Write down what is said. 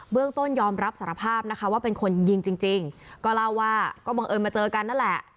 ต้นยอมรับสารภาพนะคะว่าเป็นคนยิงจริงก็เล่าว่าก็บังเอิญมาเจอกันนั่นแหละ